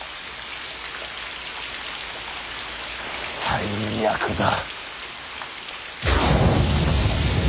最悪だ。